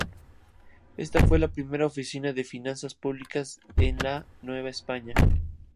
Esta fue la primera oficina de finanzas públicas en la Nueva España.